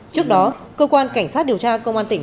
trước đó cơ quan cảnh sát điều tra công an tỉnh